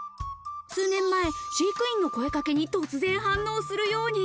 数年前、飼育員の声かけに突然反応するように。